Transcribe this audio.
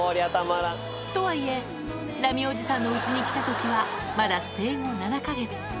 とはいえ、ラミおじさんのうちに来たときは、まだ生後７か月。